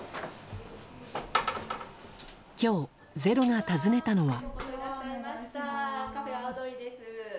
今日「ｚｅｒｏ」が訪ねたのは。